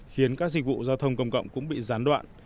khiến các dịch vụ giao thông công cộng cũng bị gián đoạn